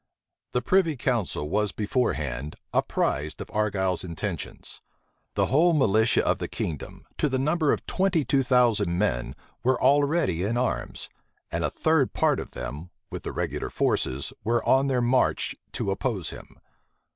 The privy council was beforehand apprised of Argyle's intentions. The whole militia of the kingdom, to the number of twenty two thousand men, were already in arms; and a third part of them, with the regular forces, were on their march to oppose him.